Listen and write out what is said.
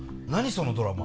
そのドラマ。